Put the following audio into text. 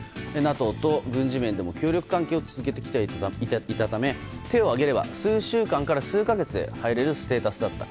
ＮＡＴＯと軍事面でも協力関係を続けてきていたため手を挙げれば数週間から数か月で入れるステータスだった。